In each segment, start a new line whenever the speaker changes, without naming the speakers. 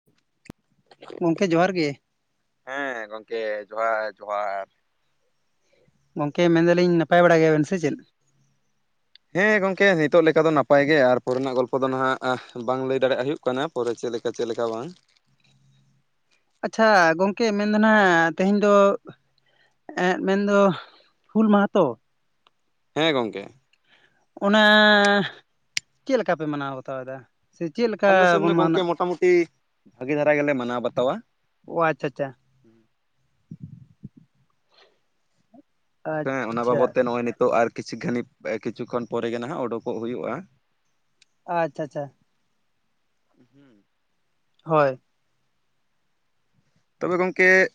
[inaudible]
ᱜᱚᱢᱠᱮ ᱡᱚᱦᱟᱨ ᱜᱮ᱾
ᱦᱮᱸ ᱜᱚᱢᱠᱮ ᱡᱚᱦᱟᱨ ᱡᱚᱦᱟᱨ᱾
ᱜᱚᱝᱠᱮ ᱢᱮᱱᱫᱟᱞᱤᱧ ᱱᱟᱯᱟᱭ ᱵᱟᱲᱟ ᱜᱮᱭᱟᱵᱮᱱ ᱥᱮ ᱪᱮᱫ?
ᱦᱮᱸ ᱜᱚᱝᱠᱮ ᱱᱤᱛᱚᱜ ᱞᱮᱠᱟ ᱫᱚ ᱱᱟᱯᱟᱭ ᱜᱮ, ᱟᱨ ᱯᱚᱨᱮᱱᱟᱜ ᱜᱚᱞᱯᱚ ᱫᱚ ᱱᱟᱦᱟᱸᱜ ᱵᱟᱝ ᱞᱟᱹᱭ ᱫᱟᱲᱮᱭᱟᱜ ᱦᱩᱭᱩᱜ ᱠᱟᱱᱟ᱾ ᱯᱚᱨᱮ ᱪᱮᱫ ᱞᱮᱠᱟ ᱪᱮᱫ ᱞᱮᱠᱟ ᱵᱟᱝ᱾
ᱟᱪᱪᱷᱟ ᱜᱚᱝᱠᱮ ᱢᱮᱱᱫᱚ ᱱᱟᱜ ᱛᱮᱦᱮᱧ ᱫᱚ ᱮᱜ ᱢᱮᱱᱫᱚ ᱦᱩᱞ ᱢᱟᱦᱟ ᱛᱚ?
ᱦᱮᱸ ᱜᱚᱢᱠᱮ᱾
ᱚᱱᱟ ᱪᱮᱫ ᱞᱮᱠᱟ ᱯᱮ ᱢᱟᱱᱟᱣ ᱵᱟᱛᱟᱣᱫᱟ?
ᱟᱞᱮ ᱥᱮᱱ ᱫᱚ ᱜᱚᱝᱠᱮ ᱢᱚᱴᱟᱢᱩᱴᱤ ᱵᱷᱟᱜᱮ ᱫᱷᱟᱨᱟ ᱜᱮᱞᱮ ᱢᱟᱱᱟᱣ ᱵᱟᱛᱟᱣᱟ᱾
ᱚ ᱟᱪᱪᱷᱟ ᱪᱷᱟ᱾
ᱥᱮ ᱚᱱᱟ
ᱟᱪᱪᱷᱟ
ᱵᱟᱵᱚᱛ ᱛᱮ ᱱᱚᱜᱼᱚᱭ ᱱᱤᱛᱚᱜ ᱟᱨ ᱠᱤᱪᱷᱩ ᱜᱷᱟᱱᱤ ᱠᱤᱪᱷᱩ ᱠᱷᱚᱱ ᱯᱚᱨᱮᱜᱮ ᱱᱟᱦᱟᱸᱜ ᱳᱰᱳᱠᱚᱜ ᱦᱳᱭᱳᱜᱼᱟ᱾
ᱟᱪᱪᱷᱟ ᱪᱷᱟ ᱪᱷᱟ᱾
ᱩᱦᱩᱸ᱾
ᱦᱚᱭ
ᱛᱚᱵᱮ ᱜᱚᱢᱠᱮᱼᱼ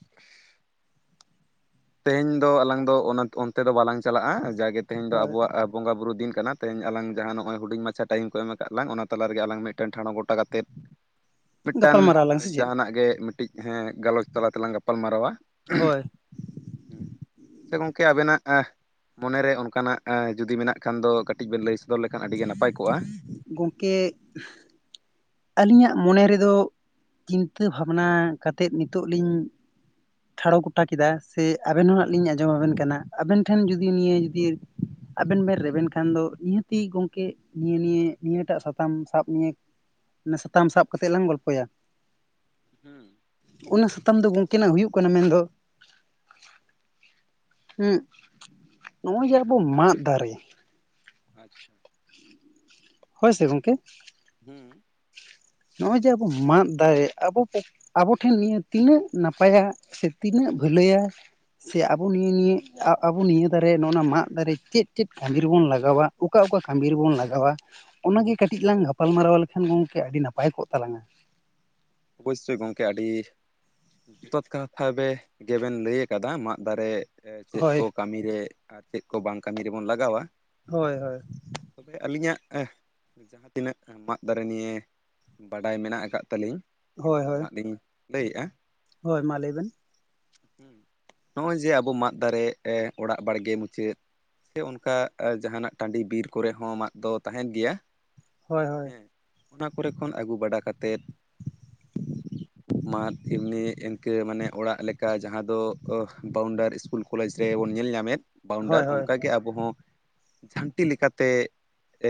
ᱛᱮᱦᱮᱧ ᱫᱚ ᱟᱞᱟᱝ ᱫᱚ ᱚᱱᱟ ᱚᱱᱛᱮ ᱫᱚ ᱵᱟᱞᱟᱝ ᱪᱟᱞᱟᱜ-ᱟ, ᱡᱟᱜᱮ ᱛᱮᱦᱮᱧ ᱫᱚ
ᱦᱳᱭ
ᱟᱵᱚᱣᱟᱜ ᱵᱚᱸᱜᱟ ᱵᱩᱨᱩ ᱫᱤᱱ ᱠᱟᱱᱟᱼᱼ ᱛᱮᱦᱮᱧ ᱟᱞᱟᱝ ᱡᱟᱦᱟᱸ ᱱᱚᱜᱼᱚᱭ ᱦᱩᱰᱤᱧ ᱢᱟᱪᱷᱟ ᱴᱟᱭᱤᱢ ᱠᱚ ᱮᱢ ᱠᱟᱫ ᱞᱟᱝ ᱚᱱᱟ ᱛᱟᱞᱟ ᱨᱮᱜᱮ ᱟᱞᱟᱝ ᱢᱤᱫᱴᱮᱱ ᱴᱷᱟᱲᱚ ᱜᱚᱴᱟ ᱠᱟᱛᱮᱫᱼᱼ ᱢᱤᱫᱴᱟᱱ
ᱜᱟᱯᱟᱞᱢᱟᱨᱟᱣ ᱟᱞᱟᱝ ᱥᱮ ᱪᱮᱫ
ᱡᱟᱦᱟᱸᱱᱟᱜ ᱜᱮ ᱢᱤᱫᱴᱤᱡ ᱦᱮ ᱜᱟᱞᱚᱪ ᱛᱟᱞᱟ ᱛᱮᱞᱟᱝ ᱜᱟᱯᱟᱞ ᱢᱟᱨᱟᱣ-ᱟ᱾
ᱦᱚᱭ
ᱥᱮ ᱜᱚᱝᱠᱮ ᱟᱵᱮᱱᱟᱜ, ᱮᱸᱦᱼᱼ ᱢᱚᱱᱮᱨᱮ ᱚᱱᱠᱟᱱᱟᱜ ᱮᱸ ᱡᱩᱫᱤ ᱢᱮᱱᱟᱜ ᱠᱷᱟᱱ ᱫᱚ ᱠᱟᱹᱴᱤᱡ ᱵᱮᱱ ᱞᱟᱹᱭ ᱥᱚᱫᱚᱨ ᱞᱮᱠᱷᱟᱱ ᱟᱹᱰᱤᱜ ᱱᱟᱯᱟᱭ ᱠᱚᱜ-ᱟ᱾
ᱜᱚᱝᱠᱮ ᱮᱸᱦ ᱟᱹᱞᱤᱧᱟᱜ ᱢᱚᱱᱮ ᱨᱮᱫᱚ ᱪᱤᱱᱛᱟᱹ ᱵᱷᱟᱵᱽᱱᱟ ᱠᱟᱛᱮᱫ ᱱᱤᱛᱚᱜ ᱞᱤᱧᱼᱼ ᱴᱷᱟᱲᱚ ᱜᱚᱴᱟ ᱠᱮᱫᱟ ᱥᱮ ᱟᱵᱮᱱ ᱦᱚᱸ-ᱦᱟᱜ ᱞᱤᱧ ᱟᱸᱡᱚᱢ ᱟᱵᱮᱱ ᱠᱟᱱᱟ, ᱟᱵᱮᱱ ᱴᱷᱮᱱ ᱡᱩᱫᱤ ᱱᱤᱭᱟᱹ ᱡᱩᱫᱤᱼᱼ ᱟᱵᱤᱱ ᱵᱮᱱ ᱨᱮᱵᱮᱱ ᱠᱷᱟᱱ ᱫᱚ ᱱᱤᱦᱟᱹᱛᱤ ᱜᱚᱝᱠᱮ ᱱᱤᱭᱟᱹ-ᱱᱤᱭᱟᱹ ᱱᱤᱭᱟᱹᱴᱟᱜ ᱥᱟᱛᱟᱢ ᱥᱟᱵ ᱱᱤᱭᱮᱼᱼ ᱢᱟᱱᱮ ᱥᱟᱛᱟᱢ ᱥᱟᱵ ᱠᱟᱛᱮᱫ ᱞᱟᱝ ᱜᱚᱞᱯᱚᱭᱟ,
ᱦᱩᱸ
ᱚᱱᱟ ᱥᱟᱛᱟᱢ ᱫᱚ ᱜᱚᱝᱠᱮᱱᱟᱜ ᱦᱩᱭᱩᱜ ᱠᱟᱱᱟ, ᱢᱮᱱᱫᱚᱼᱼ ᱦᱩᱸᱜ ᱱᱚᱜ-ᱚᱭ ᱡᱮ ᱟᱵᱚ ᱢᱟᱫ ᱫᱟᱨᱮᱼᱼ
ᱟᱪᱪᱷᱟ
ᱦᱳᱭ ᱥᱮ ᱜᱚᱝᱠᱮᱼᱼ
ᱦᱩᱸ
ᱱᱚᱜ-ᱚᱭ ᱡᱮ ᱟᱵᱚ ᱢᱟᱫ ᱫᱟᱨᱮ ᱟᱵᱚ ᱯᱚᱠᱼᱼ ᱟᱵᱚ ᱴᱷᱮᱱ ᱱᱤᱭᱟᱹ ᱛᱤᱱᱟᱹᱜ ᱱᱟᱯᱟᱭᱟᱜ, ᱥᱮ ᱛᱤᱱᱟᱹᱜ ᱵᱷᱟᱹᱞᱟᱹᱭᱟᱼᱼ ᱥᱮ ᱟᱵᱚ ᱱᱤᱭᱟᱹ-ᱱᱤᱭᱟᱹ ᱟᱵᱚ ᱱᱤᱭᱟᱹ ᱫᱟᱨᱮ ᱱᱚᱜ-ᱚ ᱱᱚᱣᱟ ᱢᱟᱫ ᱫᱟᱨᱮ ᱪᱮᱫ-ᱪᱮᱫ ᱠᱟᱹᱢᱤ ᱨᱮᱵᱚᱱ ᱞᱟᱜᱟᱣᱟ? ᱚᱠᱟ ᱚᱠᱟ ᱠᱟᱹᱢᱤ ᱨᱮᱵᱚᱱ ᱞᱟᱜᱟᱣᱟ? ᱚᱱᱟᱜᱮ ᱠᱟᱹᱴᱤᱡ ᱞᱟᱝ ᱜᱟᱯᱟᱞᱢᱟᱨᱟᱣ ᱞᱮᱠᱷᱟᱱ ᱜᱚᱝᱠᱮ ᱟᱹᱰᱤ ᱱᱟᱯᱟᱭᱼᱼ ᱯᱟᱭ ᱠᱚᱜ ᱛᱟᱞᱟᱝᱟ᱾
ᱳᱵᱚᱥᱥᱳᱭ ᱜᱚᱝᱠᱮ ᱟᱹᱰᱤᱼᱼ ᱡᱚᱛᱷᱟᱛ ᱠᱟᱛᱷᱟ ᱵᱮ ᱜᱮᱵᱮᱱ ᱞᱟᱹᱭ ᱟᱠᱟᱫᱟ ᱢᱟᱫ ᱫᱟᱨᱮᱼᱼ ᱪᱮᱫ
ᱦᱳᱭ
ᱠᱚ ᱠᱟᱹᱢᱤᱨᱮ ᱟᱨ ᱪᱮᱫ ᱠᱚ ᱵᱟᱝ ᱠᱟᱹᱢᱤ ᱨᱮᱵᱚᱱ ᱞᱟᱜᱟᱣᱟ᱾
ᱦᱚᱭ-ᱦᱚᱭ
ᱛᱚᱵᱮ ᱟᱹᱞᱤᱧᱟᱜ ᱮᱸᱦᱼᱼ ᱡᱟᱦᱟᱸ ᱛᱤᱱᱟᱹᱜ ᱢᱟᱫ ᱫᱟᱨᱮ ᱱᱤᱭᱮ ᱵᱟᱰᱟᱭ ᱢᱮᱱᱟᱜ ᱟᱠᱟᱫ ᱛᱟᱹᱞᱤᱧᱼᱼ ᱤᱱᱟᱹᱜ ᱫᱚᱦᱟᱸᱜ ᱞᱤᱧ ᱞᱟᱹᱭᱮᱜ-ᱟ᱾
ᱦᱚᱭ ᱢᱟ ᱞᱟᱹᱭᱵᱮᱱᱼᱼ
ᱦᱩᱸ ᱱᱚᱜ-ᱚᱭ ᱡᱮ ᱟᱵᱚ ᱢᱟᱫ ᱫᱟᱨᱮ ᱮ ᱚᱲᱟᱜ ᱵᱟᱲᱜᱮ ᱢᱩᱪᱟᱹᱫᱼᱼ ᱥᱮ ᱚᱱᱠᱟ ᱡᱟᱦᱟᱱᱟᱜ ᱴᱟᱺᱰᱤ ᱵᱤᱨ ᱠᱚᱨᱮ ᱦᱚᱸ ᱢᱟᱫ ᱫᱚ ᱛᱟᱦᱮᱸᱱ ᱜᱮᱭᱟ᱾
ᱦᱚᱭ-ᱦᱚᱭ
ᱦᱮᱸ ᱚᱱᱟ ᱠᱚᱨᱮ ᱠᱷᱚᱱ ᱟᱹᱜᱩ ᱵᱟᱲᱟ ᱠᱟᱛᱮᱫᱼᱼ [inaudible] ᱢᱟᱫ ᱮᱢᱱᱤ ᱤᱱᱠᱟᱹ ᱢᱟᱱᱮ ᱚᱲᱟᱜ ᱞᱮᱠᱟ ᱡᱟᱦᱟᱸ ᱫᱚ ᱚᱦ ᱵᱟᱣᱩᱱᱰᱟᱨᱤ ᱤᱥᱠᱩᱞᱼᱼ ᱠᱚᱞᱮᱡᱽ ᱨᱮ ᱵᱚᱱ ᱧᱮᱞ ᱧᱟᱢᱮᱫ ᱵᱟᱣᱩᱱᱰᱟᱨ
ᱦᱳᱭ ᱦᱳᱭ
ᱚᱱᱠᱟᱜᱮ ᱟᱵᱚ ᱦᱚᱸᱼᱼ ᱡᱷᱟᱱᱴᱤ ᱞᱮᱠᱟᱛᱮ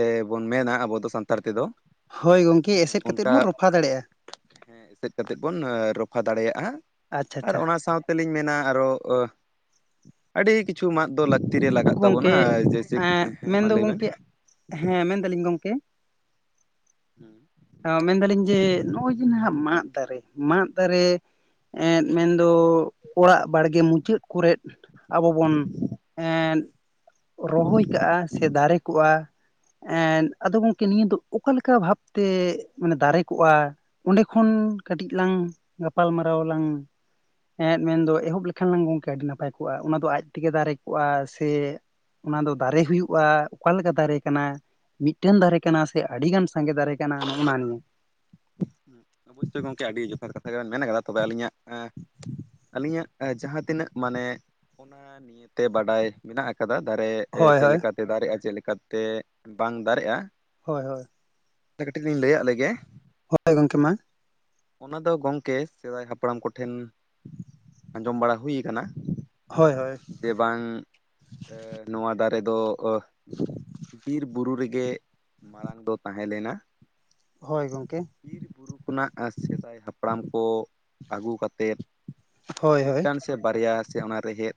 ᱮ ᱵᱚᱱ ᱢᱮᱱᱟ ᱟᱵᱚ ᱫᱚ ᱥᱟᱱᱛᱟᱲ ᱛᱮᱫᱚ,
ᱦᱚᱭ ᱜᱚᱝᱠᱮ
ᱦᱮᱸ
ᱮᱥᱮᱫ ᱠᱟᱛᱮᱫ
ᱚᱱᱠᱟ
ᱵᱚᱱ ᱨᱚᱯᱷᱟ ᱫᱟᱲᱮᱭᱟᱜ-ᱟ᱾
ᱦᱮᱸ ᱮᱥᱮᱫ ᱠᱟᱛᱮᱫ ᱵᱚᱱ ᱨᱚᱯᱷᱟ ᱫᱟᱲᱮᱭᱟᱜ-ᱟ,
ᱟᱪᱪᱷᱟ
ᱟᱨ
ᱟᱪᱪᱷᱟ
ᱚᱱᱟ ᱥᱟᱸᱣᱼᱼ ᱛᱮᱞᱤᱧ ᱢᱮᱱᱟ ᱟᱨᱚ ᱟᱹᱰᱤ ᱠᱤᱪᱷᱩ ᱢᱟᱫ ᱫᱚ ᱞᱟᱠᱼᱼ ᱛᱤ ᱨᱮ ᱞᱟᱜᱟᱜ ᱛᱟᱵᱚᱱᱟ
ᱜᱚᱝᱠᱮ
ᱟᱨ ᱡᱮᱥᱮ,
ᱮᱸ
ᱦᱮᱸ ᱢᱟ
ᱢᱮᱱᱫᱚ
ᱞᱟᱹᱭ ᱵᱮᱱᱼᱼ
ᱜᱚᱝᱠᱮ ᱦᱮᱸ ᱢᱮᱱ ᱫᱟᱞᱤᱧ ᱜᱚᱢᱠᱮᱼᱼ
ᱦᱩᱸ
ᱦᱮᱸ ᱢᱮᱱᱫᱟᱞᱤᱧ ᱡᱮ ᱱᱚᱜᱼᱚᱭ ᱡᱮ ᱦᱟᱸᱜ ᱢᱟᱫ ᱫᱟᱨᱮ ᱢᱟᱸᱫ ᱫᱟᱨᱮ ᱮᱸᱫ ᱢᱮᱱᱫᱚ ᱚᱲᱟᱜ ᱵᱟᱲᱜᱮ ᱢᱩᱪᱟᱹᱫ ᱠᱚᱨᱮᱫ ᱟᱵᱚ ᱵᱚᱱ ᱮᱸᱜ ᱨᱚᱦᱚᱭ ᱠᱟᱜᱼᱟ ᱥᱮ ᱫᱟᱨᱮ ᱠᱚᱜᱼᱟ, ᱮᱸᱱ ᱟᱫᱚ ᱜᱚᱝᱠᱮ ᱱᱤᱭᱟᱹ ᱫᱚ ᱚᱠᱟᱞᱮᱠᱟ ᱵᱷᱟᱵᱛᱮ ᱢᱟᱱᱮ ᱫᱟᱨᱮ ᱠᱚᱜᱼᱟ? ᱚᱸᱰᱮ ᱠᱷᱚᱱ ᱠᱟᱹᱴᱤᱡ ᱞᱟᱝ ᱜᱟᱯᱟᱞᱢᱟᱨᱟᱣ ᱞᱟᱝ ᱮᱸᱫ ᱢᱮᱱᱫᱚ ᱮᱦᱚᱵ ᱞᱮᱠᱷᱟᱱ ᱞᱟᱝ ᱜᱚᱝᱠᱮ ᱟᱹᱰᱤ ᱱᱟᱯᱟᱭ ᱠᱚᱜᱼᱟ, ᱚᱱᱟ ᱫᱚ ᱟᱡ ᱛᱮᱜᱮ ᱫᱟᱨᱮ ᱠᱚᱜᱼᱟ ᱥᱮ ᱚᱱᱟ ᱫᱚ ᱫᱟᱨᱮ ᱦᱩᱭᱩᱜᱼᱟ, ᱚᱠᱟᱞᱮᱠᱟ ᱫᱟᱨᱮ ᱠᱟᱱᱟ ᱢᱤᱫᱴᱮᱱ ᱫᱟᱨᱮ ᱠᱟᱱᱟ ᱥᱮ ᱟᱹᱰᱤ ᱜᱟᱱ ᱥᱟᱸᱜᱮ ᱫᱟᱨᱮ ᱠᱟᱱᱟ ᱱᱚᱜᱼᱱᱟ ᱱᱤᱭᱟᱹ᱾
ᱚᱵᱚᱥᱥᱳᱭ ᱜᱚᱝᱠᱮ ᱟᱹᱰᱤ ᱡᱚᱛᱷᱟᱛ ᱠᱟᱛᱷᱟ ᱜᱮᱵᱮᱱ ᱢᱮᱱ ᱠᱟᱫᱟ ᱛᱚᱵᱮ ᱟᱹᱞᱤᱧᱟᱜ ᱮᱸ ᱟᱹᱞᱤᱧᱟᱜ ᱡᱟᱦᱟᱸ ᱛᱤᱱᱟᱹᱜ ᱢᱟᱱᱮ ᱚᱱᱟ ᱱᱤᱭᱮᱛᱮ ᱵᱟᱰᱟᱭ ᱢᱮᱱᱟᱜ ᱠᱟᱫᱟ ᱫᱟᱨᱮ
ᱦᱳᱭ
ᱪᱮᱫ
ᱦᱳᱭ
ᱞᱮᱠᱟᱛᱮ ᱫᱟᱨᱮᱜᱼᱟ ᱪᱮᱫ ᱞᱮᱠᱟᱛᱮ ᱵᱟᱝ ᱫᱟᱨᱮᱜᱼᱟ,
ᱦᱳᱭ ᱦᱳᱭ᱾
ᱟᱸᱰᱮ ᱠᱟᱹᱴᱤᱡ ᱞᱤᱧ ᱞᱟᱹᱭ ᱟᱜ ᱞᱮᱜᱮ,
ᱦᱳᱭ ᱜᱚᱢᱠᱮ ᱢᱟ᱾
ᱚᱱᱟ ᱫᱚ ᱜᱚᱝᱠᱮ ᱥᱮᱫᱟᱭ ᱦᱟᱯᱲᱟᱢ ᱠᱚᱴᱷᱮᱱ ᱟᱸᱡᱚᱢ ᱵᱟᱲᱟ ᱦᱩᱭ ᱠᱟᱱᱟ
ᱦᱳᱭ ᱦᱳᱭ᱾
ᱡᱮ ᱵᱟᱝ ᱮ ᱱᱚᱣᱟ ᱫᱟᱨᱮ ᱚᱦ ᱵᱤᱨ ᱵᱩᱨᱩ ᱨᱮᱜᱮ ᱢᱟᱲᱟᱝ ᱫᱚ ᱛᱟᱦᱮᱸ ᱞᱮᱱᱟ,
ᱦᱳᱭ ᱜᱚᱝᱠᱮ᱾
ᱵᱤᱨ ᱵᱩᱨᱩ ᱠᱷᱚᱱᱟᱜ ᱥᱮᱫᱟᱭ ᱦᱟᱯᱲᱟᱢ ᱠᱚ ᱟᱹᱜᱩ ᱠᱟᱛᱮᱫ
ᱦᱳᱭ ᱦᱳᱭ
ᱢᱤᱫᱴᱟᱱ ᱥᱮ ᱵᱟᱨᱭᱟ ᱥᱮ ᱚᱱᱟ ᱨᱮᱦᱮᱫ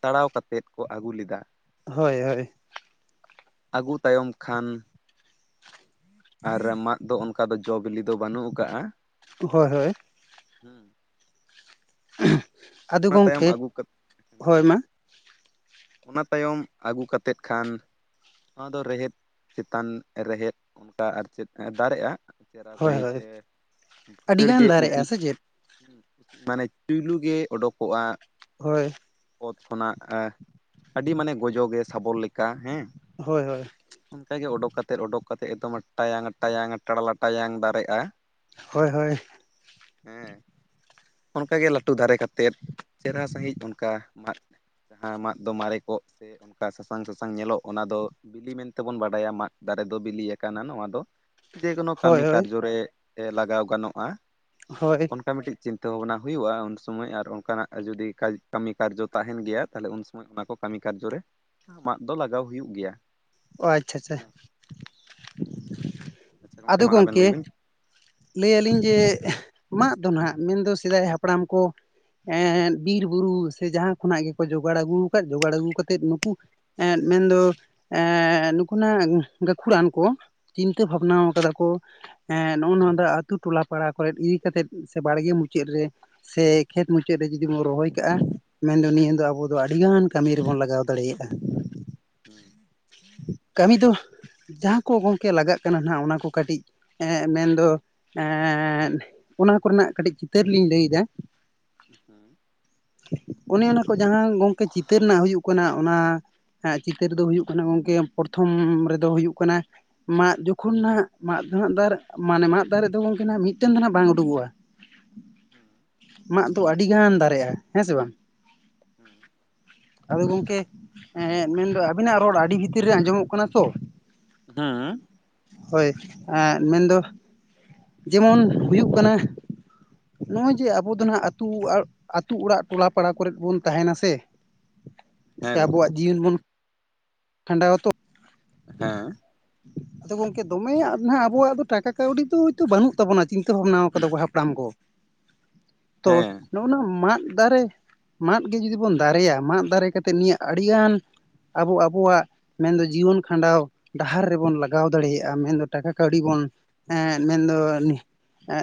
ᱛᱟᱲᱟᱣ ᱠᱟᱛᱮᱫ ᱠᱚ ᱟᱹᱜᱩ ᱞᱮᱫᱟ᱾
ᱦᱳᱭ ᱦᱳᱭ᱾
ᱟᱹᱜᱩ ᱛᱟᱭᱚᱢ ᱠᱷᱟᱱ ᱟᱨ ᱢᱟᱫ ᱫᱚ ᱚᱱᱠᱟ ᱫᱚ ᱡᱚ ᱵᱤᱞᱤ ᱫᱚ ᱵᱟᱹᱱᱩᱜ ᱠᱟᱟᱜᱼᱟ,
ᱦᱳᱭ ᱦᱳᱭ᱾ ᱟᱫᱚ
ᱚᱱᱟ ᱛᱟᱭᱚᱢ
ᱜᱚᱢᱠᱮ,
ᱟᱹᱜᱩ ᱠᱟᱛᱮ ᱦᱮᱸ
ᱦᱳᱭ
ᱞᱟᱹᱭ
ᱢᱟ᱾
ᱵᱮᱱ ᱚᱱᱟ ᱛᱟᱭᱚᱢ ᱟᱹᱜᱩ ᱠᱟᱛᱮᱫ ᱠᱷᱟᱱ ᱱᱚᱣᱟ ᱫᱚ ᱨᱮᱦᱮᱫ ᱪᱮᱛᱟᱱ ᱨᱮᱦᱮᱫ ᱚᱱᱠᱟ ᱟᱨ ᱪᱮᱫ ᱫᱟᱨᱮᱜᱼᱟ, ᱪᱮᱦᱨᱟ
ᱦᱳᱭ
ᱥᱟᱺᱦᱤᱡ
ᱦᱳᱭ
ᱜᱮ ᱵᱷᱩᱥᱟᱹᱲ ᱜᱮ
ᱟᱹᱰᱤᱜᱟᱱ
ᱩᱫᱽ
ᱫᱟᱨᱮᱜᱼᱟ ᱥᱮ ᱪᱮᱫ
ᱢᱟᱱᱮ ᱪᱩᱭᱞᱩ ᱜᱮ ᱚᱰᱩᱠᱚᱜᱼᱟ,
ᱦᱳᱭ᱾
ᱚᱛ ᱠᱷᱚᱱᱟᱜ ᱟᱹᱰᱤ ᱢᱟᱱᱮ ᱜᱚᱡᱚ ᱜᱮ ᱥᱟᱵᱚᱞ ᱞᱮᱠᱟ ᱦᱮᱸ᱾
ᱦᱳᱭ ᱦᱳᱭ᱾
ᱚᱱᱠᱟᱜᱮ ᱚᱰᱳᱠᱛᱮᱫ ᱚᱰᱳᱠ ᱠᱟᱛᱮᱫ ᱮᱠᱫᱚᱢ ᱴᱟᱭᱟᱝ ᱴᱟᱭᱟᱝ ᱴᱟᱲᱞᱟ ᱴᱟᱭᱟᱝ ᱫᱟᱨᱮᱜᱼᱟ᱾
ᱦᱳᱭ ᱦᱳᱭ᱾
ᱦᱮᱸ ᱚᱱᱠᱟᱜᱮ ᱞᱟᱹᱴᱩ ᱫᱟᱨᱮ ᱠᱟ ᱛᱮᱫ ᱪᱮᱨᱦᱟ ᱥᱟᱺᱦᱤᱡ ᱚᱱᱠᱟ ᱢᱟᱫ ᱡᱟᱦᱟᱸ ᱢᱟᱫ ᱫᱚ ᱢᱟᱨᱮ ᱠᱚᱜ ᱥᱮ ᱚᱱᱠᱟ ᱥᱟᱥᱟᱝ ᱥᱟᱥᱟᱝ ᱧᱮᱞᱚᱜ ᱚᱱᱟ ᱫᱚ ᱵᱤᱞᱤ ᱢᱮᱱᱛᱮᱵᱚᱱ ᱵᱟᱰᱟᱭᱟ ᱢᱟᱫ ᱫᱟᱨᱮ ᱫᱚ ᱵᱤᱞᱤ ᱟᱠᱟᱱᱟ ᱱᱚᱣᱟ ᱫᱚ᱾ ᱡᱮᱠᱳᱱᱳ
ᱦᱳᱭ
ᱠᱟᱹᱢᱤ
ᱦᱳᱭ
ᱠᱟᱨᱡᱚ ᱨᱮ ᱞᱟᱜᱟᱣ ᱜᱟᱱᱚᱜᱼᱟ᱾
ᱦᱳᱭ᱾
ᱚᱱᱠᱟ ᱢᱤᱫᱴᱤᱡ ᱪᱤᱱᱛᱟᱹ ᱵᱷᱟᱵᱱᱟ ᱦᱩᱭᱩᱜᱼᱟ ᱩᱱ ᱥᱚᱢᱚᱭ, ᱟᱨ ᱚᱱᱠᱟᱱᱟᱜ ᱡᱩᱫᱤ ᱠᱟᱭ ᱠᱟᱹᱢᱤ ᱠᱟᱨᱡᱚ ᱛᱟᱦᱮᱸᱱ ᱜᱮᱭᱟ ᱛᱟᱦᱚᱞᱮ ᱩᱱ ᱥᱚᱢᱚᱭ ᱚᱱᱟ ᱠᱚ ᱠᱟᱹᱢᱤ ᱠᱟᱨᱡᱚ ᱨᱮ ᱢᱟᱫ ᱫᱚ ᱞᱟᱜᱟᱣ ᱦᱩᱭᱩᱜ ᱜᱮᱭᱟ᱾
ᱚ ᱟᱪᱪᱷᱟ ᱟᱪᱪᱷᱟ
ᱟᱪᱪᱷᱟ ᱜᱚᱝᱠᱮ
ᱟᱫᱚ
ᱢᱟ ᱟᱵᱮᱱ
ᱜᱚᱢᱠᱮ
ᱞᱟᱹᱭᱵᱤᱱ
ᱞᱟᱹᱭ ᱟᱹᱞᱤᱧ ᱡᱮ ᱢᱟᱜ ᱫᱚ ᱦᱟᱸᱜ ᱢᱮᱱᱫᱚ ᱥᱮᱫᱟᱭ ᱦᱟᱯᱲᱟᱢ ᱠᱚ ᱮᱜ ᱵᱤᱨ ᱵᱩᱨᱩ ᱥᱮ ᱡᱟᱦᱟᱸ ᱠᱷᱚᱱᱟᱜ ᱜᱮᱠᱚ ᱡᱳᱚᱜᱟᱲ ᱟᱹᱜᱩ ᱟᱠᱟᱫ ᱡᱳᱚᱜᱟᱲ ᱟᱹᱜᱩ ᱠᱟᱛᱮᱜ ᱱᱩᱠᱩ ᱮᱸᱜ ᱢᱮᱱᱫᱚ ᱮ ᱱᱩᱠᱩᱱᱟᱜ ᱜᱟᱹᱠᱷᱩᱲᱟᱱ ᱠᱚ ᱪᱤᱱᱛᱟᱹ ᱵᱷᱟᱵᱱᱟ ᱟᱠᱟᱫᱟ ᱠᱚ ᱮ ᱱᱚᱜᱚ ᱱᱚᱣᱟ ᱟᱛᱩ ᱴᱚᱞᱟ ᱯᱟᱲᱟ ᱠᱚᱨᱮ ᱤᱫᱤ ᱠᱟᱛᱮᱫ ᱥᱮ ᱵᱟᱲᱜᱮ ᱢᱩᱪᱟᱹᱫ ᱨᱮ ᱥᱮ ᱠᱷᱮᱛ ᱢᱩᱪᱟᱹᱫ ᱨᱮ ᱡᱩᱫᱤ ᱵᱚᱱ ᱨᱚᱦᱚᱭ ᱠᱟᱜᱼᱟ ᱢᱮᱱᱫᱚ ᱱᱤᱭᱟᱹ ᱫᱚ ᱟᱹᱰᱤ ᱜᱟᱱ ᱠᱟᱹᱢᱤ ᱨᱮᱵᱚᱱ ᱞᱟᱜᱟᱣ ᱫᱟᱲᱮᱭᱟᱜᱼᱟ ᱠᱟᱹᱢᱤ ᱫᱚ ᱡᱟᱦᱟᱸ ᱠᱚ ᱜᱚᱢᱠᱮ ᱞᱟᱜᱟᱜ ᱠᱟᱱᱟ ᱚᱱᱟ ᱠᱚ ᱠᱟᱹᱴᱤᱡᱜ ᱢᱮᱱᱫᱚ ᱮᱸᱜ ᱚᱱᱟ ᱠᱚᱨᱮᱱᱟᱜ ᱠᱟᱹᱴᱤᱡ ᱪᱤᱛᱟᱹᱨ ᱞᱤᱧ ᱞᱟᱹᱭ ᱮᱫᱟ
[inaudible]
ᱚᱱᱮ ᱚᱱᱟ ᱠᱚ ᱡᱟᱦᱟᱸ ᱜᱚᱝᱠᱮ ᱪᱤᱛᱟᱹᱨ ᱨᱮᱱᱟᱜ ᱦᱩᱭᱩᱜ ᱠᱟᱱᱟ ᱚᱱᱟ ᱮᱸ ᱪᱤᱛᱟᱹᱨ ᱫᱚ ᱦᱩᱭᱩᱜ ᱠᱟᱱᱟ ᱜᱚᱢᱠᱮ ᱯᱨᱚᱛᱷᱚᱢ ᱨᱮᱫᱚ ᱦᱩᱭᱩᱜ ᱠᱟᱱᱟ ᱢᱟᱫ ᱡᱚᱠᱷᱚᱱ ᱱᱟᱜ ᱢᱟᱫ ᱫᱚ ᱵᱟᱨ ᱢᱟᱱᱮ ᱢᱟᱫᱽ ᱫᱟᱨᱮ ᱫᱚ ᱜᱚᱢᱠᱮ ᱢᱤᱫᱴᱮᱱ ᱫᱚ ᱱᱟᱜ ᱵᱟᱝ ᱩᱰᱩᱠᱚᱜᱼᱟ ᱢᱟᱜ ᱛᱚ ᱟᱹᱰᱤ ᱜᱟᱱ ᱫᱟᱨᱮᱜᱼᱟ ᱦᱮᱸ ᱥᱮ ᱵᱟᱝ
[unintelligible]
ᱟᱫᱚ ᱜᱚᱝᱠᱮ ᱮᱸ ᱢᱮᱱ ᱫᱚ ᱟᱵᱤᱱᱟᱜ ᱨᱚᱲ ᱟᱹᱰᱤ ᱵᱷᱤᱛᱤᱨ ᱨᱮ ᱟᱸᱡᱚᱢᱚᱜ ᱠᱟᱱᱟ ᱛᱚ
ᱦᱮᱸ
ᱦᱳᱭ ᱮ ᱢᱮᱱ ᱫᱚ ᱡᱮᱢᱚᱱ ᱦᱩᱭᱩᱜ ᱠᱟᱱᱟ᱾ ᱱᱚᱜᱼᱚᱭ ᱡᱮ ᱟᱵᱚ ᱫᱚ ᱱᱟᱜ ᱟᱹᱛᱩ ᱟᱹᱛᱩ ᱚᱲᱟᱜ ᱴᱚᱞᱟ ᱯᱟᱲᱟ ᱠᱚᱨᱮᱫ ᱵᱚᱱ ᱛᱟᱦᱮᱱᱟ ᱥᱮ
[inaudible]
ᱥᱮ ᱟᱵᱚᱣᱟᱜ ᱡᱤᱭᱚᱱ ᱵᱚᱱ ᱠᱷᱟᱸᱰᱟ ᱟᱛᱚ
ᱦᱮᱸ
ᱟᱫᱚ ᱜᱚᱝᱠᱮ ᱫᱚᱢᱮᱭᱟᱜ ᱱᱟᱜ ᱟᱵᱚᱣᱟᱜ ᱫᱚ ᱴᱟᱠᱟ ᱠᱟᱹᱣᱰᱤ ᱫᱚ ᱛᱤᱛ ᱵᱟᱹᱱᱩᱜ ᱛᱟᱵᱚᱱᱟ ᱪᱤᱱᱛᱟᱹ ᱵᱷᱟᱵᱱᱟ ᱟᱠᱟᱫᱟᱵ ᱦᱟᱯᱲᱟᱢ ᱠᱚ᱾ ᱛᱚ
ᱦᱮᱸ
ᱱᱚᱜᱼᱚᱱᱟ ᱢᱟᱫ ᱫᱟᱨᱮ ᱢᱟᱫ ᱜᱮ ᱡᱩᱫᱤ ᱵᱚᱱ ᱫᱟᱨᱮᱭᱟ ᱢᱟᱫ ᱫᱟᱨᱮ ᱠᱟᱛᱮ ᱱᱤᱭᱟᱹ ᱟᱹᱰᱤᱜᱟᱱ ᱟᱵᱚ ᱟᱵᱚᱣᱟᱜ ᱢᱮᱱ ᱫᱚ ᱡᱤᱭᱚᱱ ᱠᱷᱟᱸᱰᱟᱣ ᱰᱟᱦᱟᱨ ᱨᱮᱵᱚᱱ ᱞᱟᱜᱟᱣ ᱫᱟᱲᱮᱭᱟᱜᱼᱟ ᱢᱮᱱ ᱫᱚ᱾ ᱴᱟᱠᱟ ᱠᱟᱹᱣᱰᱤ ᱵᱚᱱ ᱮᱸ ᱢᱮᱱ ᱫᱚ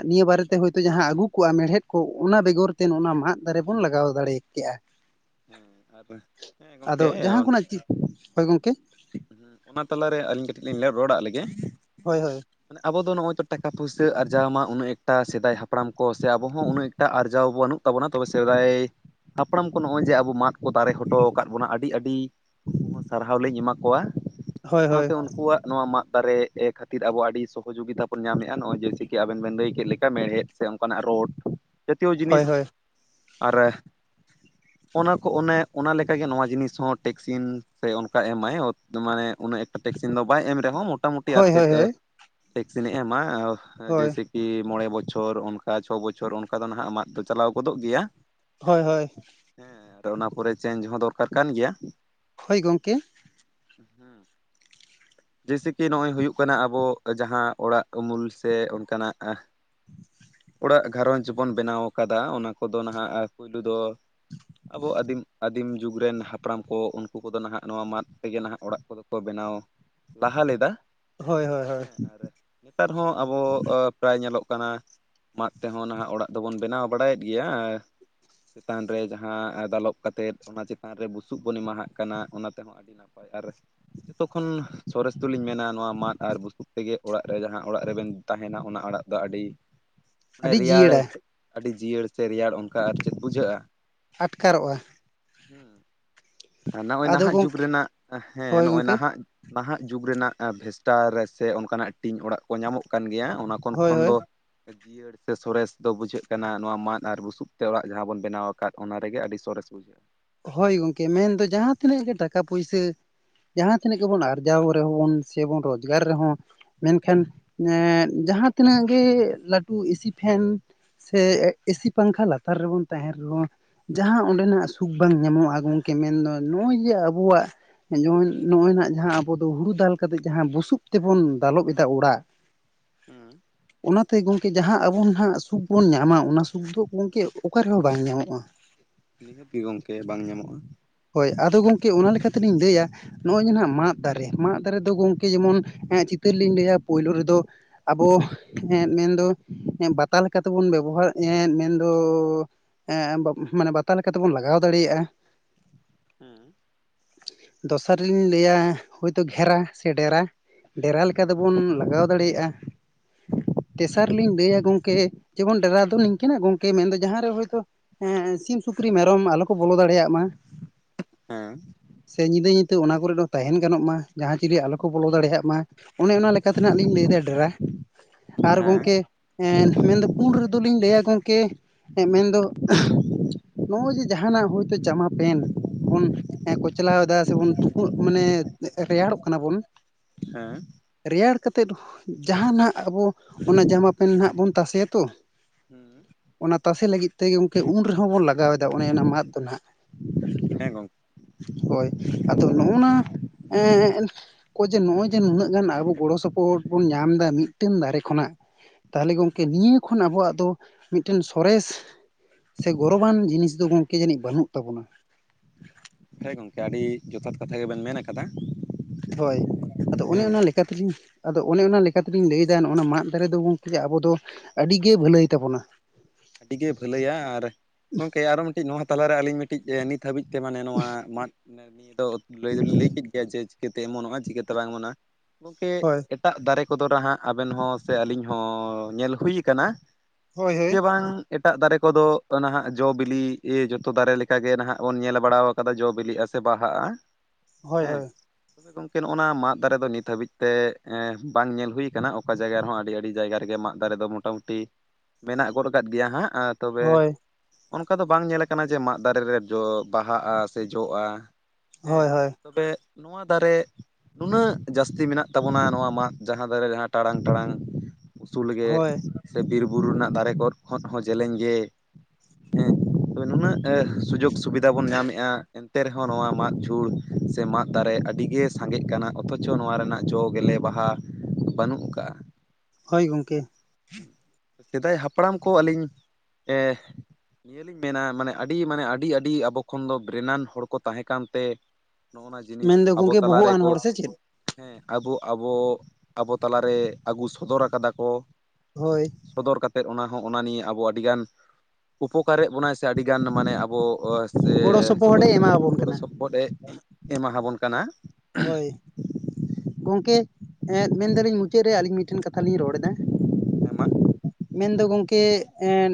ᱱᱤᱭᱟᱹ ᱵᱟᱨᱮᱛᱮ ᱦᱳᱭᱛᱳ ᱡᱟᱦᱟᱸ ᱟᱹᱜᱩ ᱠᱚᱜᱼᱟ ᱢᱮᱲᱦᱮᱫ ᱠᱚ ᱚᱱᱟ ᱵᱮᱜᱚᱨ ᱛᱮ ᱚᱱᱟ ᱢᱟᱫ ᱫᱟᱨᱮ ᱵᱚᱱ ᱞᱟᱜᱟᱣ ᱫᱟᱲᱮ ᱠᱮᱼᱟ᱾
ᱦᱮᱸ ᱟᱨ ᱦᱮᱸ
ᱟᱫᱚ
ᱜᱚᱝᱠᱮ
ᱡᱟᱦᱟᱸ ᱠᱷᱚᱱᱟᱜ ᱪᱮᱫ ᱦᱳᱭ ᱜᱚᱝᱠᱮ
ᱚᱱᱟ ᱛᱟᱞᱟᱨᱮ ᱟᱹᱞᱤᱧ ᱠᱟᱹᱴᱤᱡ ᱞᱤᱧ ᱨᱚᱲᱟᱜ ᱞᱮᱜᱮ᱾
ᱦᱳᱭ ᱦᱳᱭ
ᱢᱟᱱᱮ ᱟᱵᱚ ᱫᱚ ᱱᱚᱜᱼᱚᱭ ᱛᱚ ᱴᱟᱠᱟ ᱯᱩᱭᱥᱟᱹ ᱟᱨᱡᱟᱣ ᱢᱟ ᱩᱱᱟᱹᱜ ᱮᱴ ᱥᱮᱫᱟᱭ ᱦᱟᱯ ᱦᱟᱯᱲᱟᱢ ᱠᱚ ᱥᱮ ᱟᱵᱚ ᱦᱚᱸ ᱩᱱᱟᱹᱜ ᱮᱴᱟᱜ ᱟᱨᱡᱟᱣ ᱵᱚ ᱵᱟᱹᱱᱩᱜ ᱛᱟᱵᱚᱱᱟ ᱛᱚᱵᱮ ᱥᱮᱫᱟᱭ ᱦᱟᱯᱲᱟᱢ ᱠᱚ ᱱᱚᱜᱼᱚᱭ ᱡᱮ ᱟᱵᱚ ᱢᱟᱜ᱾ ᱠᱚ ᱫᱟᱨᱮ ᱦᱚᱴᱚ ᱟᱠᱟᱫ ᱵᱚᱱᱟ ᱟᱹᱰᱤ ᱟᱹᱰᱤ ᱩᱱᱠᱩ ᱦᱚᱸ ᱥᱟᱨᱦᱟᱣ ᱞᱤᱧ ᱮᱢᱟ ᱠᱚᱣᱟ᱾
ᱦᱳᱭ ᱦᱳᱭ
ᱥᱟᱶᱛᱮ ᱩᱱᱠᱩᱣᱟᱜ ᱱᱚᱣᱟ ᱢᱟᱫ ᱫᱟᱨᱮ ᱠᱷᱟᱹᱛᱤᱨ ᱟᱵᱚ ᱟᱹᱰᱤ ᱥᱚᱦᱚᱡᱳᱜᱤᱛᱟ ᱵᱚᱱ ᱧᱟᱢᱮᱫᱼᱟ ᱱᱚᱜᱼᱚᱭ ᱡᱮᱭᱥᱮ ᱠᱤ ᱟᱵᱮᱱ ᱵᱮᱱ ᱞᱟᱹᱭ ᱠᱮᱫ ᱞᱮᱠᱟ ᱢᱮᱲᱦᱮᱫ ᱥᱮ ᱚᱱᱠᱟᱱᱟᱜ ᱨᱳᱰ ᱡᱟᱹᱛᱤᱭᱚ
ᱦᱳᱭ
ᱡᱤᱱᱤᱥ ᱟᱨ ᱚᱱᱟ ᱠᱚ ᱚᱱᱮ ᱚᱱᱟᱠᱟᱜᱮ ᱱᱚᱣᱟ ᱡᱤᱱᱤᱥ ᱦᱚᱸ ᱴᱮᱠᱥᱤᱱ ᱥᱮ ᱚᱱᱠᱟ ᱮᱢᱟᱭ ᱢᱟᱱᱮ ᱩᱱᱟᱹᱜ ᱮᱠᱴᱟ ᱴᱮᱠᱥᱤᱱ ᱫᱚ ᱵᱟᱭ ᱮᱢ ᱨᱮᱦᱚᱸ ᱢᱳᱴᱟᱢᱩᱴᱤ ᱟᱨ
ᱦᱳᱭ ᱦᱳᱭ
ᱪᱮᱫ
ᱦᱳᱭ
ᱮ
ᱦᱳᱭ
ᱴᱮᱠᱥᱤᱱᱮ ᱮᱢᱟ᱾
ᱦᱳᱭ
ᱡᱮᱭᱥᱮ ᱠᱤ ᱢᱚᱬᱮ ᱵᱚᱪᱷᱚᱨ ᱚᱱᱠᱟ ᱪᱷᱚ ᱵᱚᱪᱷᱚᱨ ᱚᱱᱠᱟ ᱫᱚ ᱦᱟᱜ ᱢᱟᱜ ᱫᱚ ᱪᱟᱞᱟᱣ ᱜᱚᱫᱚᱜ ᱜᱮᱭᱟ᱾
ᱦᱳᱭ ᱦᱳᱭ,
ᱦᱮᱸ ᱟᱫᱚ ᱚᱱᱟ ᱯᱚᱨᱮ ᱪᱮᱧᱡᱽ ᱦᱚᱸ ᱫᱚᱨᱠᱟᱨ ᱠᱟᱱ ᱜᱮᱭᱟ᱾
ᱦᱳᱭ ᱜᱚᱝᱠᱮ
ᱦᱮᱸ ᱡᱮᱭᱥᱮ ᱠᱤ ᱱᱚᱜᱼᱚᱭ ᱦᱩᱭᱩᱜ ᱠᱟᱱᱟ ᱟᱵᱚ ᱡᱟᱦᱟᱸ ᱚᱲᱟᱜ ᱩᱢᱩᱞ ᱥᱮ ᱚᱱᱠᱟᱱᱟᱜ᱾ ᱚᱲᱟᱜ ᱜᱷᱟᱨᱚᱸᱡᱽ ᱵᱚᱱ ᱵᱮᱱᱟᱣ ᱠᱟᱫᱟ ᱚᱱᱟ ᱠᱚᱫᱚ ᱱᱟᱦᱟᱜ ᱯᱳᱭᱞᱳ ᱫᱚ᱾ ᱟᱵᱚ ᱟᱹᱫᱤᱢ ᱟᱹᱫᱤᱢ ᱡᱩᱜᱽ ᱨᱮᱱ ᱦᱟᱯᱲᱟᱢ ᱠᱚ ᱩᱱᱠᱩ ᱠᱚᱫᱚ ᱱᱟᱦᱟᱜ ᱱᱚᱣᱟ ᱢᱟᱫ ᱛᱮᱜᱮ ᱱᱟᱦᱟᱜ ᱚᱲᱟᱜ ᱠᱚᱫᱚ ᱠᱚ ᱵᱮᱱᱟᱣ ᱞᱟᱦᱟ ᱞᱮᱫᱟ᱾
ᱦᱳᱭ ᱦᱳᱭ ᱦᱳᱭ
ᱦᱮᱸ ᱟᱨ ᱱᱮᱛᱟᱨ ᱦᱚᱸ ᱟᱵᱚ ᱯᱨᱟᱭ ᱧᱮᱞᱚᱜ ᱠᱟᱱᱟ ᱢᱟᱫ ᱛᱮᱦᱚᱸ ᱱᱟᱦᱟᱜ ᱚᱲᱟᱜ ᱫᱚᱵᱚᱱ ᱵᱮᱱᱟᱣ ᱵᱟᱲᱟᱭᱮᱫ ᱜᱮᱭᱟ᱾ ᱪᱮᱛᱟᱱ ᱨᱮ ᱡᱟᱦᱟᱸ ᱫᱟᱞᱚᱵ ᱠᱟᱛᱮᱫ ᱚᱱᱟ ᱪᱮᱛᱟᱱ ᱨᱮ ᱵᱩᱥᱩᱵ ᱵᱚᱱ ᱮᱢᱟᱦᱟᱜ ᱠᱟᱱᱟ ᱚᱱᱟ ᱛᱮᱦᱚᱸ ᱟᱹᱰᱤ ᱱᱟᱯᱟᱭ ᱦᱳᱭ ᱟᱨ ᱡᱚᱛᱚ ᱠᱷᱚᱱᱚᱱ ᱥᱚᱨᱮᱥ ᱫᱚᱞᱤᱧ ᱢᱮᱱᱟ ᱱᱚᱣᱟ ᱢᱟᱫ ᱟᱨ ᱵᱩᱥᱩᱵ ᱛᱮᱜᱮ, ᱚᱲᱟᱜ ᱨᱮ ᱡᱟᱦᱟᱸ ᱚᱲᱟᱜ ᱨᱮᱵᱮᱱ ᱛᱟᱦᱮᱱᱟ ᱚᱱᱟ ᱚᱲᱟᱜ ᱫᱚ ᱟᱹᱰᱤ ᱢᱟᱱᱮ
ᱟᱹᱰᱤ
ᱨᱮᱭᱟᱲ
ᱡᱤᱭᱟᱹᱲᱟ
ᱟᱹᱰᱤ ᱡᱤᱭᱟᱹᱲ ᱥᱮ ᱨᱮᱭᱟᱲ ᱚᱱᱠᱟ ᱟᱨ ᱪᱮᱫ ᱵᱩᱡᱷᱟᱹᱜᱼᱟ᱾
ᱟᱴᱠᱟᱨᱚᱜᱼᱟ᱾
ᱦᱩᱸ ᱟᱨ ᱱᱚᱜᱼᱚᱭ
ᱟᱫᱚ
ᱱᱟᱦᱟᱜ ᱡᱩᱜᱽ
ᱜᱚᱢᱠᱮ
ᱨᱮᱱᱟᱜ ᱦᱮᱸ
ᱦᱳᱭ
ᱱᱚᱜᱼᱚᱭ
ᱜᱚᱢᱠᱮ
ᱱᱟᱦᱟᱜ ᱱᱟᱦᱟᱜ ᱡᱩᱜᱽ ᱨᱮᱱᱟᱜ ᱵᱷᱮᱥᱴᱟᱨ ᱥᱮ ᱚᱱᱠᱟᱱᱟᱜ ᱴᱤᱧ ᱚᱲᱟᱜ ᱠᱚ ᱧᱟᱢᱚᱜ ᱠᱟᱱ ᱜᱮᱭᱟ ᱚᱱᱟ ᱠᱚ ᱠᱷᱚᱱ
ᱦᱳᱭ
ᱠᱷᱚᱱ
ᱦᱳᱭ
ᱫᱚ ᱡᱤᱭᱟᱹᱲ ᱥᱮ ᱥᱚᱨᱮᱥ ᱫᱚ ᱵᱩᱡᱷᱟᱹᱜ ᱠᱟᱱᱟ ᱱᱚᱣᱟ ᱢᱟᱫ ᱟᱨ ᱵᱩᱥᱩᱵ ᱛᱮ ᱚᱲᱟᱜ ᱡᱟᱦᱟᱸ ᱵᱚᱱ ᱵᱮᱱᱟᱣ ᱟᱠᱟᱫ ᱚᱱᱟ ᱨᱮᱜᱮ ᱟᱹᱰᱤ ᱥᱚᱨᱮᱥ ᱵᱩᱡᱷᱟᱹᱜᱼᱟ᱾
ᱦᱳᱭ ᱜᱚᱝᱠᱮ ᱢᱮᱱ ᱫᱚ ᱡᱟᱦᱟᱸ ᱛᱤᱱᱟᱹᱜ ᱜᱮ ᱴᱟᱠᱟ ᱯᱩᱭᱥᱟᱹ ᱡᱟᱦᱟᱸ ᱛᱤᱱᱟᱹᱜ ᱜᱮᱵᱚᱱ ᱟᱨᱡᱟᱣ ᱨᱮᱦᱚᱸ ᱵᱚᱱ ᱥᱮᱵᱚᱱ ᱨᱳᱡᱽᱜᱟᱨ ᱨᱮᱦᱚᱸ ᱢᱮᱱᱠᱷᱟᱱ ᱮ ᱡᱟᱦᱟᱸ ᱛᱤᱱᱟᱹᱜ ᱜᱮ ᱞᱟᱹᱴᱩ ᱮᱥᱤ ᱯᱷᱮᱱ ᱥᱮ ᱮᱥᱤ ᱯᱟᱝᱠᱷᱟ ᱞᱟᱛᱟᱨ ᱨᱮᱵᱚᱱ ᱛᱟᱦᱮᱱ ᱨᱮᱦᱚᱸ ᱡᱟᱦᱟᱸ ᱚᱸᱰᱮᱱᱟᱜ ᱴᱩᱠ ᱵᱟᱝ ᱧᱟᱢᱚᱜᱼᱟ ᱜᱚᱝᱠᱮ ᱢᱮᱱᱫᱚ ᱱᱚᱜᱼᱚᱭ ᱡᱮ ᱟᱵᱚᱣᱟᱜ, ᱡᱮᱢᱚᱱ ᱱᱚᱜᱼᱚᱭ ᱱᱟᱜ ᱡᱟᱦᱟᱸ ᱟᱵᱚ ᱫᱚ ᱦᱩᱲᱩ ᱫᱟᱞ ᱠᱟᱛᱮᱜ ᱡᱟᱦᱟᱸ ᱵᱩᱥᱩᱵ ᱛᱮᱵᱚᱱ ᱫᱟᱞᱚᱵ ᱮᱫᱟ ᱚᱲᱟᱜ
ᱟᱸ
ᱚᱱᱟᱛᱮ ᱜᱚᱝᱠᱮ ᱡᱟᱦᱟᱸ ᱟᱵᱚ ᱟᱸᱱᱟᱜ ᱥᱩᱠ ᱵᱚᱱ ᱧᱟᱢᱟ ᱚᱱᱟ ᱥᱩᱠ ᱫᱚ ᱜᱚᱝᱠᱮ ᱚᱠᱟ ᱨᱮᱦᱚᱸ ᱵᱟᱝ ᱧᱟᱢᱚᱜᱼᱟ᱾
ᱱᱤᱦᱟᱹᱛ ᱜᱮ ᱜᱚᱝᱠᱮ ᱵᱟᱝ ᱧᱟᱢᱚᱜᱼᱟ,
ᱦᱳᱭ ᱟᱫᱚ ᱜᱚᱝᱠᱮ ᱚᱱᱟ ᱞᱮᱠᱟᱛᱮᱞᱤᱧ ᱞᱟᱹᱭᱟ ᱱᱚᱜᱼᱚᱭ ᱡᱟᱦᱱᱟᱜ ᱢᱟᱫ ᱫᱟᱨᱮ ᱢᱟᱫ ᱫᱟᱨᱮ ᱫᱚ ᱜᱚᱝᱠᱮ ᱡᱮᱢᱚᱱ ᱪᱤᱛᱟᱹᱨ ᱞᱤᱧ ᱞᱟᱹᱭᱟ ᱯᱳᱭᱞᱳ ᱨᱮᱫᱚ, ᱟᱵᱚᱸ ᱢᱮᱱᱫᱚ ᱵᱟᱛᱟ ᱞᱮᱠᱟ ᱛᱮᱵᱚᱱ ᱵᱮᱵᱚᱦᱟᱨ ᱮᱸ ᱢᱮᱱᱫᱚ ᱮᱸ ᱢᱟᱱᱮ ᱵᱟᱛᱟ ᱞᱮᱠᱟᱛᱮᱵᱚᱱ ᱞᱟᱜᱟᱣ ᱫᱟᱲᱮᱭᱟᱜᱼᱟ᱾
ᱦᱮᱸ,
ᱫᱚᱥᱟᱨ ᱞᱤᱧ ᱞᱟᱹᱭᱟ ᱦᱳᱭᱛᱳ ᱜᱷᱮᱨᱟ ᱥᱮ ᱰᱮᱨᱟ ᱰᱮᱨᱟ ᱞᱮᱠᱟ
ᱦᱮᱸ
ᱛᱮᱵᱚᱱ ᱞᱟᱜᱟᱣ ᱫᱟᱲᱮᱭᱟᱜᱼᱟ᱾ ᱛᱮᱥᱟᱨ ᱞᱤᱧ ᱞᱟᱹᱭᱟ ᱜᱚᱝᱠᱮ ᱡᱮᱢᱚᱱ ᱰᱮᱨᱟ ᱫᱚ ᱱᱤᱝᱠᱟᱹ ᱜᱚᱝᱠᱮ ᱢᱮᱱᱫᱚ ᱡᱟᱦᱟᱸ ᱨᱮ ᱦᱚᱭ ᱛᱚ ᱦᱮᱸ ᱥᱤᱢ ᱥᱩᱠᱨᱤ ᱢᱮᱨᱚᱢ ᱟᱞᱚ ᱠᱚ ᱵᱚᱞᱚ ᱫᱟᱲᱮᱭᱟᱜ ᱢᱟ᱾
ᱦᱮᱸ
ᱥᱮ ᱧᱤᱫᱟᱹ ᱧᱩᱛᱟᱹ ᱚᱱᱟ ᱠᱚᱨᱮ ᱫᱚ ᱛᱟᱦᱮᱱ ᱜᱟᱱᱚᱜ ᱢᱟ ᱡᱟᱦᱟᱸ ᱪᱤᱞᱤ ᱟᱞᱚ ᱠᱚ ᱵᱚᱞᱚ ᱫᱟᱲᱮᱭᱟᱜ ᱢᱟ, ᱚᱱᱮ ᱚᱱᱟ ᱞᱮᱠᱟ ᱛᱮᱱᱟᱜ ᱞᱤᱧ ᱞᱟᱹᱭᱫᱟ ᱰᱮᱨᱟ ᱟᱨ
ᱦᱮᱸ
ᱜᱚᱝᱠᱮ ᱢᱮᱱᱫᱚ ᱯᱩᱱ ᱨᱮᱫᱚᱞᱤᱧ ᱞᱟᱹᱭᱟ ᱜᱚᱝᱠᱮ ᱢᱮᱱᱫᱚ ᱱᱚᱜᱼᱚᱭ ᱡᱮ ᱡᱟᱦᱱᱟᱜ ᱦᱚᱳᱭᱛᱳ ᱡᱟᱢᱟ ᱯᱮᱱ, ᱵᱚᱱ ᱠᱚᱪᱞᱟᱣ ᱮᱫᱟ ᱥᱮᱵᱚᱱ ᱛᱩᱯᱩᱜ ᱢᱟᱱᱮ ᱨᱮᱭᱟᱲᱚᱜ ᱠᱟᱱᱟ ᱵᱚᱱ
ᱦᱮᱸ,
ᱨᱮᱭᱟᱲ ᱠᱟᱛᱮᱫ ᱡᱟᱦᱟᱸ ᱱᱟᱦᱟᱜ ᱟᱵᱚ ᱚᱱᱟ ᱡᱟᱢᱟ ᱯᱮᱱ ᱱᱟᱦᱟᱜ ᱵᱚᱱ ᱛᱟᱥᱮᱭᱟᱛᱚ,
ᱦᱩᱸ,
ᱚᱱᱟ ᱛᱟᱥᱮ ᱞᱟᱹᱜᱤᱫ ᱛᱮᱜᱮ ᱜᱚᱢᱠᱮ, ᱩᱱ ᱨᱮᱦᱚᱸ ᱵᱚᱱ ᱞᱟᱜᱟᱣ ᱮᱫᱟ, ᱚᱱᱮ ᱚᱱᱟ ᱢᱟᱫ ᱫᱚ ᱦᱟᱸᱜ,
ᱦᱮᱸ ᱜᱚᱝᱠᱮ,
ᱦᱳᱭ, ᱟᱫᱚ ᱱᱚᱜᱼ ᱱᱟ ᱮᱸ ᱠᱚ ᱡᱮ ᱱᱚᱜᱼᱚᱭ ᱡᱮ ᱱᱩᱱᱟᱹᱜ ᱜᱟᱱ ᱟᱵᱚ, ᱜᱚᱲᱚ ᱥᱚᱯᱚᱦᱚᱫ ᱵᱚᱱ ᱧᱟᱢ ᱫᱟ, ᱢᱤᱫᱴᱟᱝ ᱫᱟᱨᱮ ᱠᱷᱚᱱᱟᱜ ᱛᱟᱦᱚᱞᱮ ᱜᱚᱢᱠᱮ ᱱᱤᱭᱟᱹ ᱠᱷᱚᱱ, ᱟᱵᱚᱣᱟᱜ ᱫᱚ ᱢᱤᱫᱴᱮᱱ ᱥᱚᱨᱮᱥ ᱥᱮ ᱜᱚᱨᱚᱵᱟᱱ ᱡᱤᱱᱤᱥ ᱫᱚ, ᱜᱚᱝᱠᱮ ᱡᱟᱹᱱᱤᱡ ᱵᱟᱹᱱᱩᱜ ᱛᱟᱵᱚᱱᱟ?
ᱦᱮᱸ ᱜᱚᱢᱠᱮ, ᱟᱹᱰᱤ ᱡᱚᱛᱷᱟᱛ ᱠᱟᱛᱷᱟ ᱜᱮᱵᱮᱱ ᱢᱮᱱ ᱠᱟᱫᱟ᱾
ᱦᱳᱭ, ᱟᱫᱚ ᱚᱱᱮ ᱚᱱᱟ ᱞᱮᱠᱟ ᱞᱮᱠᱟᱛᱮᱜᱧ, ᱟᱫᱚ ᱚᱱᱮ ᱚᱱᱟ ᱞᱮᱠᱟ ᱛᱮᱞᱤᱧ ᱞᱟᱹᱭᱫᱟ, ᱱᱚᱜ-ᱱᱟ ᱢᱟᱫ ᱫᱟᱨᱮ ᱫᱚ ᱜᱚᱝᱠᱮ ᱟᱵᱚ ᱫᱚ, ᱟᱹᱰᱤᱜᱮ ᱵᱷᱟᱹᱞᱟᱹᱭ ᱛᱟᱵᱚᱱᱟ᱾
ᱟᱹᱰᱤᱜᱮ ᱵᱷᱟᱹᱞᱟᱹᱭᱟ, ᱟᱨ ᱜᱚᱢᱠᱮ ᱟᱨᱚ ᱢᱤᱫᱴᱤᱡ ᱱᱚᱶᱟ ᱛᱟᱞᱟᱨᱮ, ᱟᱹᱞᱤᱧ ᱢᱤᱫᱴᱤᱡ ᱮ ᱱᱤᱛ ᱱᱤᱛ ᱫᱷᱟᱹᱵᱤᱡ ᱛᱮ ᱢᱟᱱᱮ ᱱᱚᱶᱟ, ᱢᱟᱫ ᱱᱤᱭᱟᱹ ᱫᱚ ᱞᱟᱹᱭ ᱫᱚᱞᱤᱧ ᱞᱟᱹᱭ ᱠᱮᱫ ᱜᱮᱭᱟ, ᱡᱮ ᱪᱤᱠᱟᱹᱛᱮ ᱮᱢᱚᱱᱚᱜᱼᱟ, ᱪᱤᱠᱟᱹᱛᱮ ᱵᱟᱝ ᱮᱢᱚᱱᱚᱜᱼᱟ, ᱜᱚᱝᱠᱮ
ᱦᱳᱭ
ᱮᱴᱟᱜ ᱫᱟᱨᱮ ᱠᱚᱫᱚ ᱱᱦᱟᱜ ᱟᱵᱮᱱ ᱦᱚᱸ, ᱥᱮ ᱟᱹᱞᱤᱧ ᱦᱚᱸ ᱧᱮᱞ ᱦᱩᱭ ᱠᱟᱱᱟ,
ᱦᱳᱭ
ᱡᱮ ᱵᱟᱝ ᱮᱴᱟᱜ ᱫᱟᱨᱮ ᱠᱚᱫᱚ ᱱᱟᱦᱟᱜ ᱡᱚ ᱵᱤᱞᱤ, ᱡᱚᱛᱚ ᱫᱟᱨᱮ ᱞᱮᱠᱟᱜᱮ ᱱᱟᱦᱟᱜ ᱵᱚᱱ, ᱧᱮᱞ ᱵᱟᱲᱟᱣ ᱟᱠᱟ ᱠᱟᱫᱟ ᱡᱚ ᱵᱤᱞᱤᱜ-ᱟ, ᱥᱮ ᱵᱟᱦᱟᱜᱼᱟ
ᱦᱳᱭ
ᱦᱮᱸ᱾
ᱦᱳᱭ
ᱜᱚᱝᱠᱮ ᱱᱚᱜ ᱚᱱᱟ ᱢᱟᱫ ᱫᱟᱨᱮ ᱫᱚ, ᱱᱤᱛ ᱦᱟᱹᱵᱤᱡ ᱛᱮ ᱵᱟᱝ ᱧᱮᱞ ᱦᱩᱭ ᱠᱟᱱᱟ, ᱚᱠᱟ ᱡᱟᱭᱜᱟ ᱨᱮᱦᱚᱸ ᱟᱹᱰᱤ ᱟᱹᱰᱤ ᱡᱟᱭᱜᱟ ᱨᱮᱜᱮ ᱢᱟᱫ ᱫᱟᱨᱮ ᱫᱚ ᱢᱳᱴᱟᱢᱩᱴᱤ, ᱢᱮᱱᱟᱜ ᱜᱚᱫ ᱠᱟᱫ ᱜᱮᱭᱟ ᱦᱟᱸᱜ, ᱛᱚᱵᱮ
ᱦᱳᱭ
ᱚᱱᱠᱟ ᱫᱚ ᱵᱟᱝ ᱧᱮᱞ ᱠᱟᱱᱟ ᱡᱮ, ᱢᱟᱫ ᱫᱟᱨᱮ ᱨᱮ ᱫᱚ ᱵᱟᱦᱟᱜᱼᱟ, ᱥᱮ ᱡᱚᱜᱼᱟ ᱦᱮᱸ᱾
ᱦᱳᱭ ᱦᱳᱭ ᱦᱳᱭ
ᱛᱚᱵᱮ ᱱᱚᱶᱟ ᱫᱟᱨᱮ ᱱᱩᱱᱟᱹᱜ ᱡᱟᱹᱥᱛᱤ ᱢᱮᱱᱟᱜ ᱛᱟᱵᱚᱱᱟ, ᱱᱚᱶᱟ ᱢᱟᱫ ᱡᱟᱦᱟᱸ ᱫᱟᱨᱮ ᱡᱟᱦᱟᱸ ᱴᱟᱲᱟᱝ ᱴᱟᱲᱟᱝ, ᱩᱥᱩᱞ ᱜᱮ
ᱦᱳᱭ
ᱥᱮ ᱵᱤᱨ ᱵᱩᱨᱩ ᱨᱮᱱᱟᱜ, ᱫᱟᱨᱮ ᱠᱚ ᱠᱷᱚᱱ ᱦᱚᱸ ᱡᱮᱞᱮᱧ ᱜᱮ, ᱦᱮᱸ ᱛᱚᱵᱮ ᱱᱩᱱᱟᱹᱜ, ᱥᱩᱡᱳᱜᱽ ᱥᱩᱵᱤᱫᱷᱟ ᱵᱚᱱ ᱧᱟᱢ ᱮᱼᱟ, ᱮᱱᱛᱮ ᱨᱮᱦᱚᱸ ᱱᱚᱣᱟ ᱢᱟᱫ ᱡᱷᱩᱲ ᱥᱮ, ᱢᱟᱫ ᱫᱟᱨᱮ ᱟᱹᱰᱤ ᱜᱮ ᱥᱟᱸᱜᱮᱜ ᱠᱟᱱᱟ, ᱚᱛᱷᱚᱪᱷᱚ ᱱᱚᱶᱟ ᱨᱮᱱᱟᱜ ᱡᱚ ᱜᱮᱞᱮ ᱵᱟᱦᱟ, ᱵᱟᱹᱱᱩᱜ ᱠᱟᱜᱼᱟ᱾
ᱦᱳᱭ ᱜᱚᱝᱠᱮ᱾
ᱥᱮᱫᱟᱭ ᱦᱟᱯᱲᱟᱢ ᱠᱚ ᱟᱹᱞᱤᱧ ᱮ ᱱᱤᱭᱟᱹ ᱞᱤᱧ ᱢᱮᱱᱟ ᱢᱟᱱᱮ ᱟᱹᱰᱤ ᱢᱟᱱᱮ ᱟᱹᱰᱤ ᱟᱹᱰᱤ ᱟᱵᱚ ᱠᱷᱚᱱ ᱫᱚ ᱵᱨᱮᱱᱟᱱ ᱦᱚᱲ ᱠᱚ ᱛᱟᱦᱮᱸ ᱠᱟᱱ ᱛᱮ ᱱᱚᱜᱼᱚᱭ ᱱᱟ ᱡᱤᱱᱤᱥ
ᱢᱮᱱᱫᱚ
ᱟᱵᱚ
ᱜᱚᱢᱠᱮ
ᱛᱟᱞᱟ
ᱵᱚᱦᱚᱜ ᱟᱱ
ᱨᱮᱠᱚ
ᱦᱚᱲ ᱥᱮ ᱪᱮᱫ
ᱦᱮᱸ ᱟᱵᱚ ᱟᱵᱚ ᱟᱵᱚ ᱛᱟᱞᱟ ᱨᱮ ᱟᱹᱜᱩ ᱥᱚᱫᱚᱨ ᱟᱠᱟᱫᱟ ᱠᱚ᱾
ᱦᱳᱭ
ᱥᱚᱫᱚᱨ ᱠᱟᱛᱮᱫ ᱚᱱᱟ ᱦᱚᱸ ᱚᱱᱟ- ᱱᱤᱭᱮ ᱟᱵᱚ ᱟᱹᱰᱤᱜᱟᱱ ᱩᱯᱚᱠᱟᱨᱮᱫ ᱵᱚᱱᱟᱭ ᱥᱮ ᱟᱹᱰᱤᱜᱟᱱ ᱢᱟᱱᱮ ᱟᱵᱚ
ᱜᱚᱲᱚ ᱥᱚᱯᱚᱦᱚᱫ
ᱥᱚᱦᱚᱡ
ᱮ ᱮᱢᱟᱵᱚᱱ
ᱜᱚᱲᱚ
ᱠᱟᱱᱟ
ᱥᱚᱯᱚᱦᱚᱫ ᱮ ᱮᱢᱟ ᱦᱟᱵᱚᱱ ᱠᱟᱱᱟ
ᱦᱳᱭ ᱜᱚᱝᱠᱮ ᱢᱮᱱᱫᱟᱞᱤᱧ ᱢᱩᱪᱟᱹᱫ ᱨᱮ ᱟᱹᱞᱤᱧ ᱴᱷᱮᱱ ᱠᱟᱛᱷᱟ ᱞᱤᱧ ᱨᱚᱲ ᱮᱫᱟ
ᱦᱮᱸ ᱢᱟ
ᱢᱮᱱ ᱫᱚ ᱜᱚᱝᱠᱮ ᱮᱱ